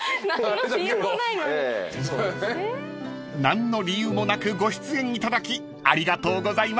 ［何の理由もなくご出演いただきありがとうございます］